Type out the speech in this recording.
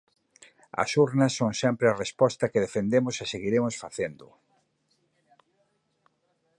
As urnas son sempre a resposta que defendemos e seguiremos facéndoo.